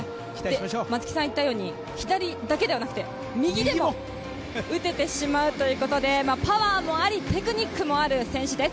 松木さんが言ったように左だけじゃなくて右でも打ててしまうということでパワーもありテクニックもある選手です。